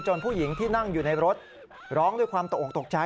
ผู้หญิงที่นั่งอยู่ในรถร้องด้วยความตกออกตกใจ